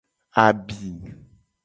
Abi.